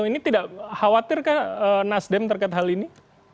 ini tidak khawatir nasdem terkait hal ini